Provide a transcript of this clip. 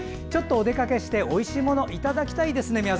ちょっとお出かけしておいしいものいただきたいですね。